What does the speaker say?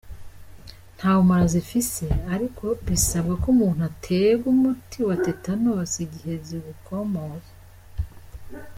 Nta bumara zifise ariko bisabwa ko umuntu ategwa umuti wa "tétanos" igihe zigukomoye.